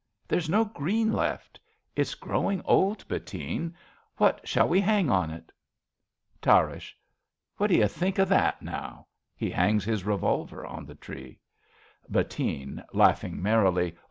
^12 A BELGIAN CHRISTMAS EVE There's no green left. It's growing old, Bettine. What shall we hang on it? Tarrasch. What d' you think Of that now ? {He hangs his revolver on the tree.) Bettine (laughing merrily).